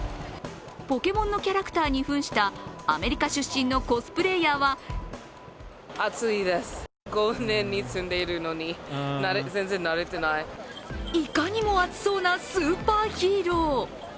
ポケモンのキャラクターに扮した、アメリカ出身のコスプレーヤーはいかにも暑そうなスーパーヒーロー。